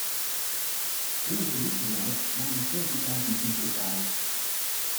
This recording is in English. During the Nika Riot, more than thirty thousand people died.